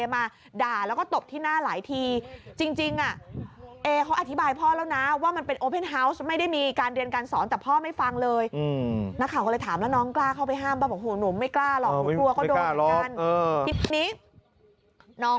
แม่งแม่งแม่งแม่งแม่งแม่งแม่งแม่งแม่ง